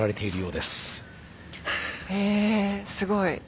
えすごい。